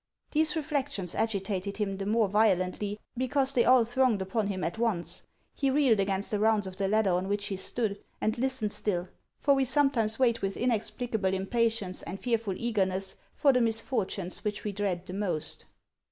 These reflections agitated him the more violently be cause they all thronged upon him at once. He reeled against the rounds of the ladder on which he stood, and listened still ; for we sometimes wait with inexplicable impatience and fearful eagerness for the misfortunes which we dread the most.